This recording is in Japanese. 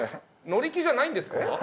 乗り気じゃないんですか？